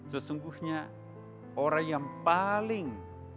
sesungguhnya orang yang paling